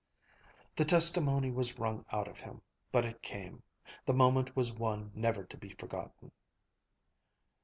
The testimony was wrung out of him. But it came. The moment was one never to be forgotten.